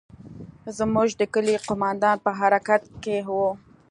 زموږ د کلي قومندان په حرکت کښې و.